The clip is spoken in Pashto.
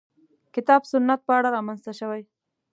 کتاب سنت په اړه رامنځته شوې.